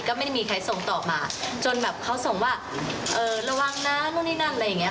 ก็ไม่ได้มีใครส่งต่อมาจนแบบเขาส่งว่าเออระวังนะนู่นนี่นั่นอะไรอย่างเงี้